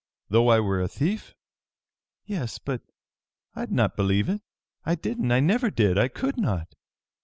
"Though I were a thief?" "Yes! But I'd not believe it! I didn't! I never did! I could not!"